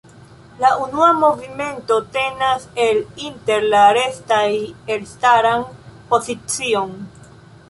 La unua movimento tenas el inter la restaj elstaran pozicion.